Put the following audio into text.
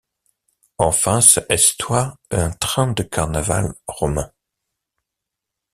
Enfin ce estoyt ung train de carnaval romain.